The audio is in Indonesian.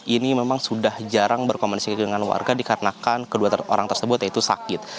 ini memang sudah jarang berkomunikasi dengan warga dikarenakan kedua orang tersebut yaitu sakit